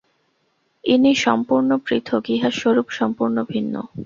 ইনি সম্পূর্ণ পৃথক্, ইঁহার স্বরূপ সম্পূর্ণ ভিন্ন।